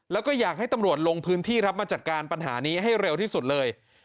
แล้วก็อยากให้ตำรวจลงพื้นที่รับมาจัดการปัญหานี้ให้เร็วที่สุดเลย